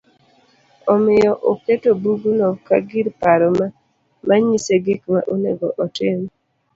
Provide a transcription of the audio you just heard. Omiyo oketo bugno kagir paro manyise gikma onego otim